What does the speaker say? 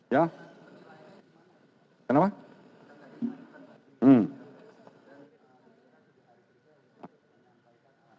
pak pak penampakan dia seperti apa